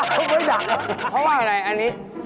เพราะว่าอะไรอันนี้